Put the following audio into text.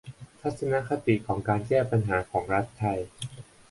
ทัศนคติของการแก้ปัญหาของรัฐไทย